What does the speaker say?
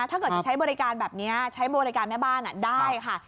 ถ้าเกิดจะใช้บริการแบบนี้ใช้บริการแม่บ้านได้ค่ะ